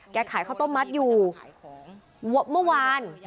ขายข้าวต้มมัดอยู่เมื่อวาน